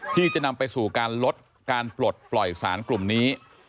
ที่จะนำไปสู่การลดการปลดปล่อยสารกลุ่มนี้